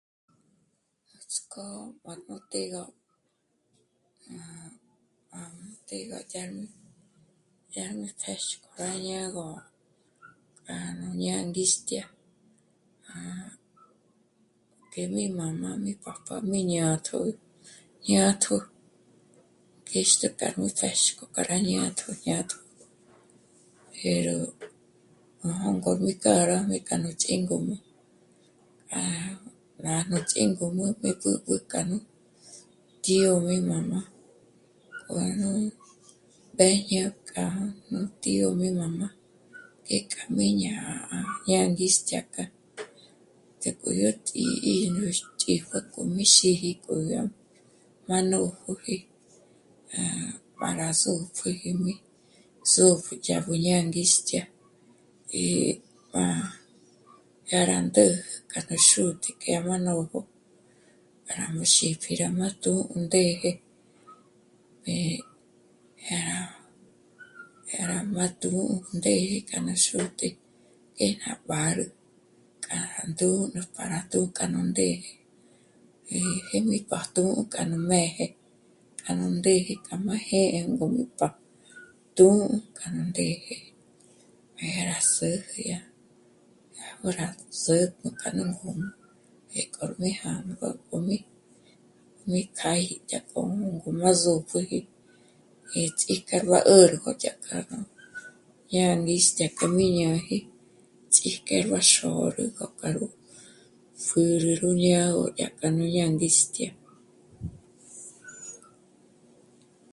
Nuts'k'ó ró tí négó gá... të'ë gá yá... yá nu pjéxko rá ñágo k'a nú ñângistya... que mi mamá mi papá mí jñátjo jñátjo kêxk'e k'a nú pjêxk'o para jñátjo jñátjo pero... jôngo mi k'a rá k'a mí k'a rú ch'íngum'ü rá... rá... nú ch'íngum'ü mí b'ǚb'ü kja nú tío e mi mamá k'o nú mbéjñe k'a nú tío e mi mamá 'ékja mí ñá'a ñângistya k'a, pjéko yó tǐ'i yó ch'íjué k'o mí xíji k'o yá má nó jó'oji para zòpjüjijmi, zòpjü yá nú nângistya e pa... yá rá ndé kja ná xútǐ'i k'a ná nójo rá má mí xípji rá má tù'u nú ndéje eh... yá rá..., yá rá... má tù'u ndéje kja má xù'te, ngé ná mbàru k'a rá ndǜjnü para ndù'u k'a nú ndéje e jé mi pájtjo k'a m'êje k'a nú ndéje k'a má jê'e ngǔm'ü pa... tù'u k'a nú ndéje... yá rá s'éje yá... yá gó rá sä̀tpjü k'a nu ngǔm'ü ngé k'o mbé jângo k'o mí... mí kja í dyák'omo komo à zòpjü e ts'ijke bá 'ö̀rü dyakja nú ñângistya ñáji xík'e bá xôrügö k'a ró pjǜrü gú ñá'o k'a yó ñângistya